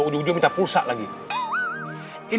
ujung ujung minta pulsa lagi